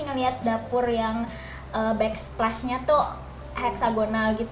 ngeliat dapur yang backsplashnya tuh heksagonal